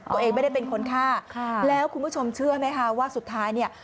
ตัวเองไม่ได้เป็นคนฆ่าแล้วคุณผู้ชมเชื่อไหมคะว่าสุดท้ายเนี่ย